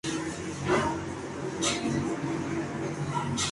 El Rijksmuseum de Ámsterdam tiene la más amplia colección de cuadros de De Keyser.